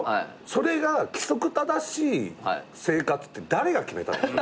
それが規則正しい生活って誰が決めたの？